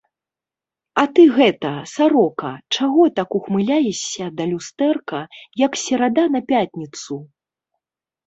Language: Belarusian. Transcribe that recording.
А ты гэта, сарока, чаго так ухмыляешся да люстэрка, як серада на пятніцу?